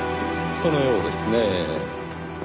そのようですねぇ。